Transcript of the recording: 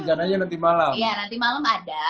rencananya nanti malem iya nanti malem ada